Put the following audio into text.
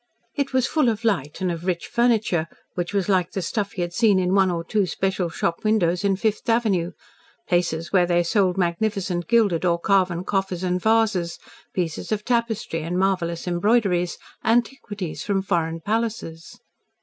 It was full of light, and of rich furniture, which was like the stuff he had seen in one or two special shop windows in Fifth Avenue places where they sold magnificent gilded or carven coffers and vases, pieces of tapestry and marvellous embroideries, antiquities from foreign palaces.